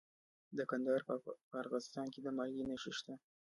د کندهار په ارغستان کې د مالګې نښې شته.